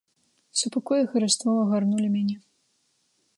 Супакой і хараство агарнулі мяне.